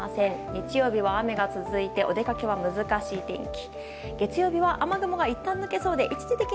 日曜日は雨が続いてお出かけは難しい天気。